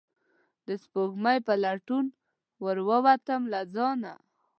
د سپوږمۍ په لټون ووتم له ځانه